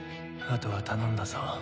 あとは頼んだぞ。